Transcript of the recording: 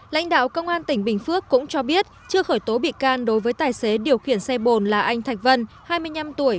lãnh đạo công an tỉnh bình phước cũng cho biết chưa khởi tố bị can đối với tài xế điều khiển xe bồn là anh thạch vân hai mươi năm tuổi